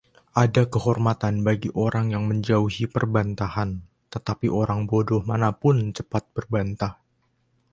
Ada kehormatan bagi orang yang menjauhi perbantahan, tetapi orang bodoh mana pun cepat berbantah.